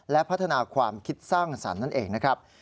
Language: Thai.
และพัฒนาความคิดสร้างสรรค์นั่นเองนะครับ